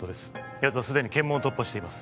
やつはすでに検問を突破しています